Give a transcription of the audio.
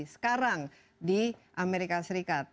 sekarang di amerika serikat